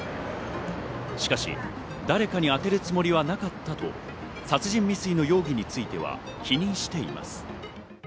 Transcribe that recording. しかし、誰かに当てるつもりはなかったと殺人未遂の容疑については否認しています。